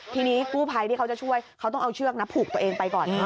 ทีนี้กู้ภัยที่เขาจะช่วยเขาต้องเอาเชือกนะผูกตัวเองไปก่อนค่ะ